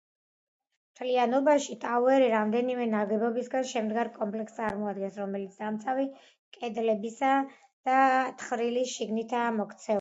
მთლიანობაში, ტაუერი რამდენიმე ნაგებობისგან შემდგარ კომპლექსს წარმოადგენს, რომლებიც დამცავი კედლებისა და თხრილის შიგნითაა მოქცეული.